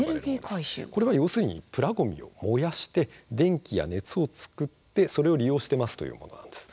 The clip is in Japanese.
これは要するにプラごみを燃やして電気や熱を作ってそれを利用していますというものです。